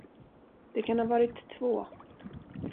Det kan ha varit två.